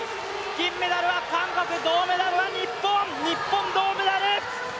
銀メダルは韓国、銅メダルは日本、日本、銅メダル！